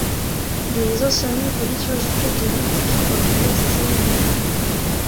Les anciens livres liturgiques catholiques décrivent en détail ces cérémonies.